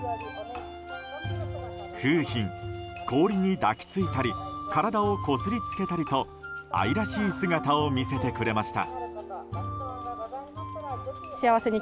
楓浜、氷に抱き着いたり体をこすりつけたりと愛らしい姿を見せてくれました。